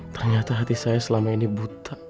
ternyata hati saya selama ini buta